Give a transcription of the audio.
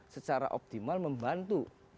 secara optimal membantu